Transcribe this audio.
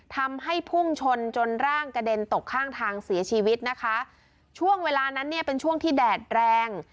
ทำให้พุ่งชนจนร่างกระเด็นตกข้างทางเสียชีวิตนะคะช่วงเวลานั้นเนี่ยเป็นช่วงที่แดดแรง